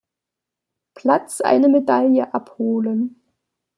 Platz eine Medaille "abholen".